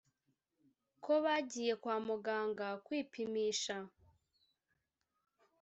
ko bagiye kwa muganga kwipimisha